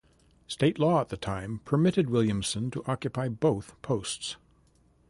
State law at the time permitted Williamson to occupy both posts.